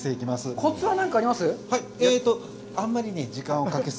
コツは何かあります？